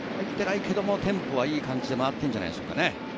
テンポはいい感じで回ってるんじゃないでしょうか。